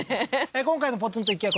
今回のポツンと一軒家